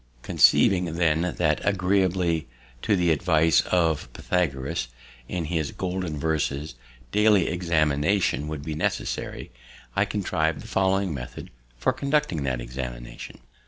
Conceiving then, that, agreeably to the advice of Pythagoras in his Golden Verses, daily examination would be necessary, I contrived the following method for conducting that examination.